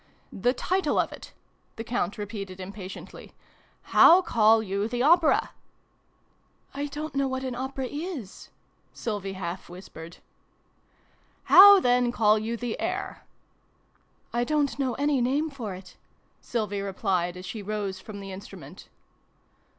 " The title of it !" the Count repeated im patiently. " How call you the opera ?"" I don't know what an opera is," Sylvie half whispered. xn] FAIRY MUSIC. 179 " How, then, call you the air ?"" I don't know any name for it," Sylvie replied, as she rose from the instrument.